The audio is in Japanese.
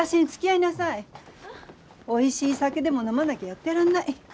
おいしい酒でも飲まなきゃやってらんない。